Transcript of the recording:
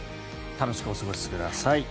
楽しくお過ごしください。